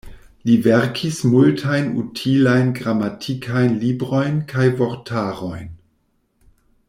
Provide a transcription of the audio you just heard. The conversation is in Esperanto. Li verkis multajn utilajn gramatikajn librojn kaj vortarojn.